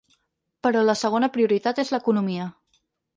Però la segona prioritat és l’economia.